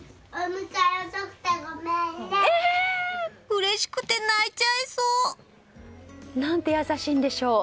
うれしくて泣いちゃいそう。なんて優しいんでしょう。